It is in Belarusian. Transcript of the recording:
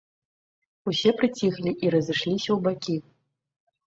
Усе прыціхлі і разышліся ў бакі.